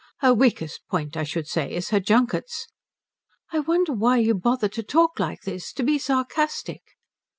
Her weakest point, I should say, is her junkets." "I wonder why you bother to talk like this to be sarcastic."